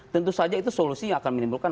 tentu saja itu solusinya akan menimbulkan